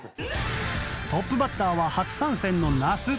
トップバッターは初参戦の那須。